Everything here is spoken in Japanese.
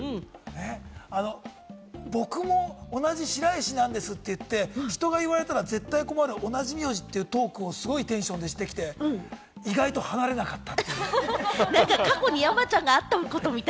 僕も白石なんですって言って、人が言われたら困る、同じ名字というトークでテンションでしてきて意外と離れなかった。